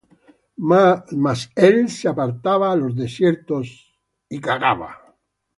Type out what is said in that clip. Mas él se apartaba á los desiertos, y oraba.